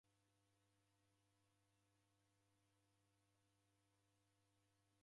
Wuchafu ghwareda wukongo.